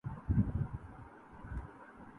امت کو دشمن کی ناپاک سازشوں سے آگاہی